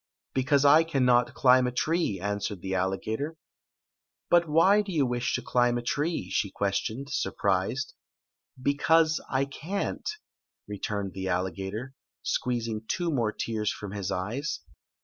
"Because I cannot climb a tree," answered the alligator. " But why do you wish to climb a tree?" she ques tioned, surprised. " Because I can't," returned the alligator, squeezing two more tears from liii eyes.